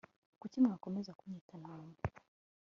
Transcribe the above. kuki mwakomeza kunyita nawomi